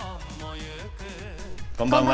こんばんは。